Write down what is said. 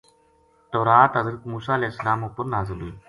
توریت حضرت موسی علیہ السلام اپر نازل ہوئی۔